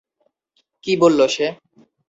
কী বললো সে?